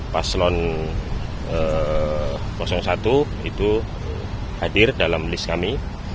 paslon satu itu hadir dalam list kami